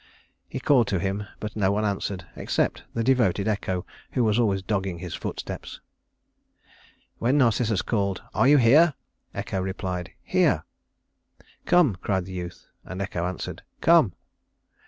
He called to him, but no one answered except the devoted Echo who was always dogging his footsteps. When Narcissus called "Are you here?" Echo replied, "Here." "Come!" cried the youth, and Echo answered, "Come."